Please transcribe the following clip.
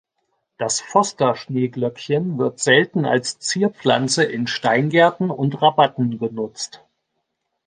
Das Foster-Schneeglöckchen wird selten als Zierpflanze in Steingärten und Rabatten genutzt.